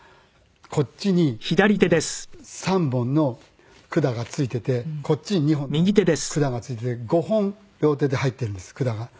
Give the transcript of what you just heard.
こっちに３本の管が付いててこっちに２本の管が付いてて５本両手で入ってるんです管が。うわー。